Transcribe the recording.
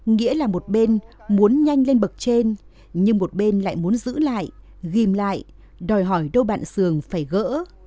nghĩa là một bên muốn nhanh lên bậc trên nhưng một bên lại muốn giữ lại ghim lại đòi hỏi đô bạn xưởng phải gỡ